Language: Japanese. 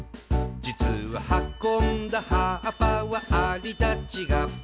「じつははこんだ葉っぱはアリたちが」